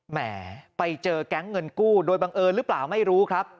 แหมไปเจอแก๊งเงินกู้โดยบังเอิญหรือเปล่าไม่รู้ครับ